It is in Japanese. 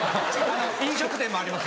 飲食店もあります。